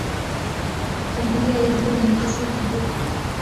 Familia ilikuwa ina pesa kidogo.